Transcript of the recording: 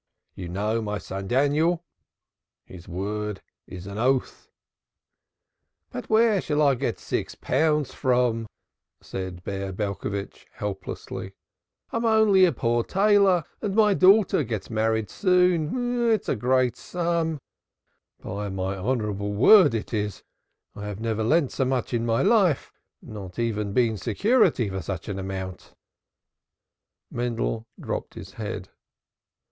You know my son Daniel. His word is an oath." "But where shall I get six pounds from?" said Bear helplessly. "I am only a poor tailor, and my daughter gets married soon. It is a great sum. By my honorable word, it is. I have never lent so much in my life, nor even been security for such an amount." Mendel dropped his head.